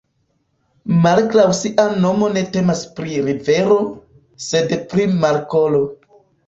Malgraŭ sia nomo ne temas pri rivero, sed pri markolo.